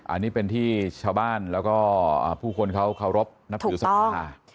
อันนี้เป็นที่ชาวบ้านแล้วก็ผู้คนเขาเคารพนับถือศรัทธา